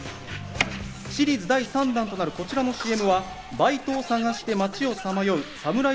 シリーズ第３弾となるこちらのＣＭは、バイトを探して町をさまようサムライ